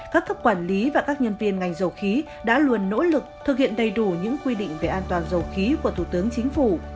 các cấp quản lý và các nhân viên ngành dầu khí đã luôn nỗ lực thực hiện đầy đủ những quy định về an toàn dầu khí của thủ tướng chính phủ